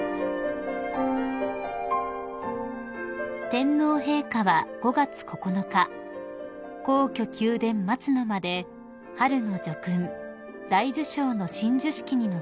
［天皇陛下は５月９日皇居宮殿松の間で春の叙勲大綬章の親授式に臨まれました］